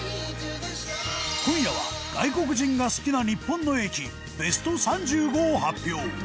今夜は外国人が好きな日本の駅ベスト３５を発表